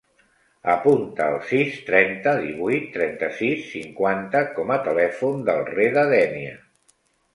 Apunta el sis, trenta, divuit, trenta-sis, cinquanta com a telèfon del Reda Denia.